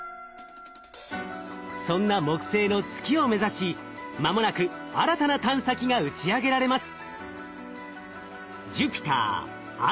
そんな木星の月を目指し間もなく新たな探査機が打ち上げられます。